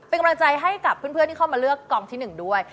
เป็นกำลังใจให้กับเพื่อนที่เข้ามาเลือกกองที่๑ด้วย